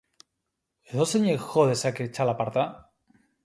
Edozeinek jo dezake txalaparta?